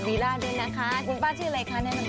คุณป้าชื่ออะไรค่ะแนะนำก่อนค่ะคุณป้าชื่ออะไรค่ะแนะนำก่อน